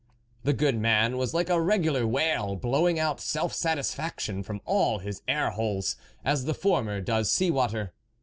The good man was like a regular whale, blowing out self satisfaction from all his air holes, as the former does sea water.